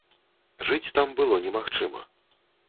Жыць там было немагчыма.